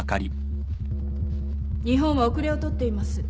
日本は後れを取っています。